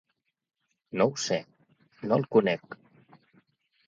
No ho sé, no el conec.